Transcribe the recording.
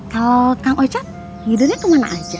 kalau kang ocat hidupnya kemana aja